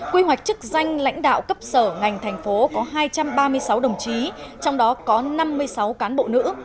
quy hoạch chức danh lãnh đạo cấp sở ngành thành phố có hai trăm ba mươi sáu đồng chí trong đó có năm mươi sáu cán bộ nữ